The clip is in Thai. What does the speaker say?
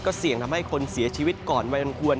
เสี่ยงทำให้คนเสียชีวิตก่อนวัยอันควร